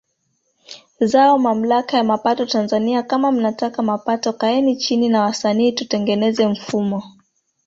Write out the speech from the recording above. zao Mamlaka ya mapato Tanzania kama mnataka mapato kaeni chini na wasanii tutengeneze mfumo